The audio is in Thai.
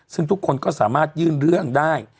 ซึ่งทุกคนก็สามารถยื่นเรื่องได้